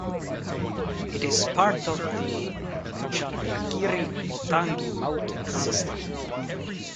It is part of the Chandragiri-Pottangi mountain system.